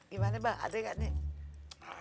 gimana bah ada gak nih